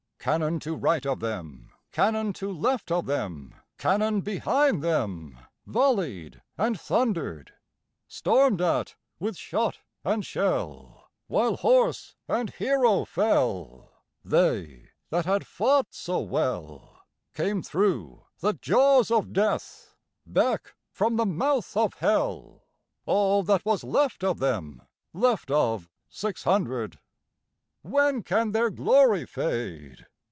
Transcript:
Cannon to right of them, Cannon to left of them, Cannon behind themVolley'd and thunder'd; Storm'd at with shot and shell, While horse and hero fell, They that had fought so wellCame thro' the jaws of Death, Back from the mouth of Hell, All that was left of them, Left of six hundred. When can their glory fade?